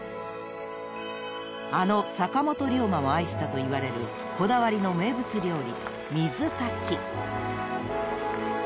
［あの坂本龍馬も愛したといわれるこだわりの名物料理］